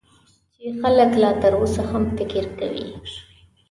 چې خلک لا تر اوسه هم فکر کوي .